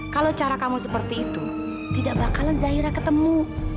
kalau cara kamu seperti itu tidak bakalan zaira ketemu